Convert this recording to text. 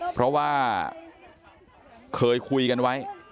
เพราะว่าเคยคุยกันไว้